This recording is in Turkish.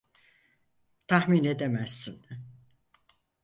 Tahmin edemezsin.